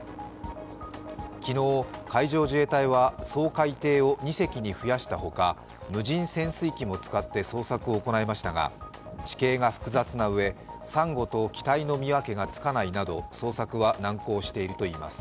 昨日、海上自衛隊は掃海艇を２隻に増やしたほか、無人潜水機も使って捜索を行いましたが地形が複雑なうえ、さんごと機体の見分けがつかないなど捜索は難航しているといいます。